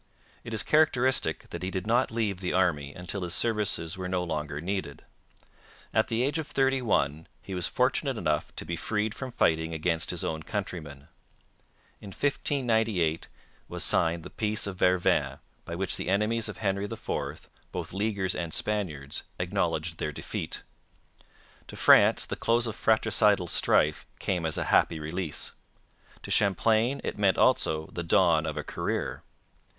It is characteristic that he did not leave the army until his services were no longer needed. At the age of thirty one he was fortunate enough to be freed from fighting against his own countrymen. In 1598 was signed the Peace of Vervins by which the enemies of Henry IV, both Leaguers and Spaniards, acknowledged their defeat. To France the close of fratricidal strife came as a happy release. To Champlain it meant also the dawn of a career.